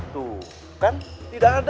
tuh kan tidak ada